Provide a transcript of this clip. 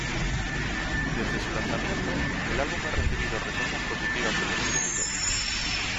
Desde su lanzamiento, el álbum ha recibido reseñas positivas de los críticos.